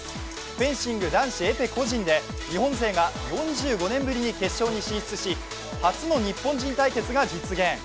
フェンシング男子エペ決勝で日本勢が４５年ぶりに決勝に進出し、初の日本人対決が実現。